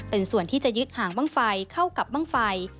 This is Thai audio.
เป็นส่วนที่จะยึดหางบ้างไฟเข้ากับบ้างไฟ